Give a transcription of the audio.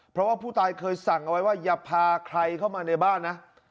เพราะว่าผู้ตายเคยสั่งเอาไว้ว่าอย่าพาใครเข้ามาในบ้านนะ